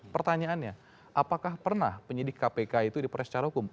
pertanyaannya apakah pernah penyidik kpk itu diperoleh secara hukum